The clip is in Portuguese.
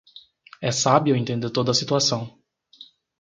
É sábio entender toda a situação.